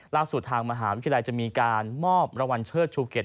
ล่าสู่สู่ทางมหาวิทยาลัยจะมีการมอบรวรรณเชือก